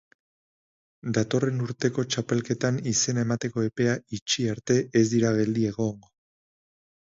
Datorren urteko txapelketan izena emateko epea itxi arte ez dira geldi egongo.